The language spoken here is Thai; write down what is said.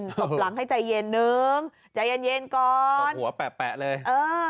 ตบหลังให้ใจเย็นนึงใจเย็นเย็นก่อนตบหัวแปะเลยเออ